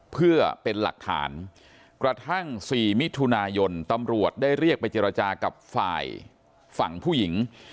เพื่อเป็นหลักฐานกระทั่ง๔มิถุนายนตำรวจได้เรียกไปเจรจากับฝ่ายฝั่งผู้หญิง